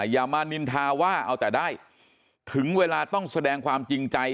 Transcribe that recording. อย่ามานินทาว่าเอาแต่ได้ถึงเวลาต้องแสดงความจริงใจ